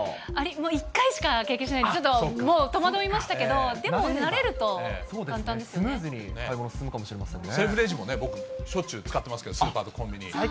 １回しか経験してないんでもう、戸惑いましたけど、スムーズに買い物、進むかもセルフレジも僕、しょっちゅう使ってますけど、スーパーとコンビニ。